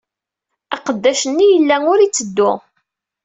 Aqeddac-nni yella ur itteddu.